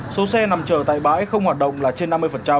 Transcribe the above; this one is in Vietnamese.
số xe nằm chờ tại bãi không hoạt động là trên năm mươi